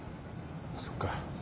そっか。